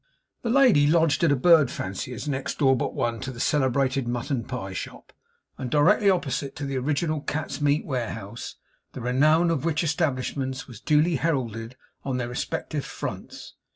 This lady lodged at a bird fancier's, next door but one to the celebrated mutton pie shop, and directly opposite to the original cat's meat warehouse; the renown of which establishments was duly heralded on their respective fronts.